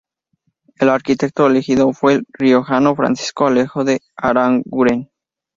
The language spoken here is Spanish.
El arquitecto elegido fue el riojano Francisco Alejo de Aranguren.